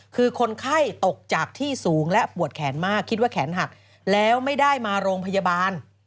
คือคนไข้ตกจากที่สูงและปวดแขนมากคิดว่าแขนหักแล้วไม่ได้มาโรงพยาบาล